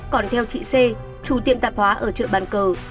còn theo chị c chủ tiệm tạp hóa ở chợ bàn cờ